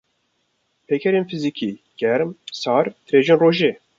Pêkerên fizikî: Germ, sar, tirêjin royê